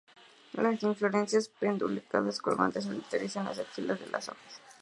Las inflorescencias pedunculadas, colgantes, solitarias en las axilas de las hojas.